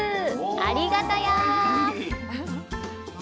ありがたや！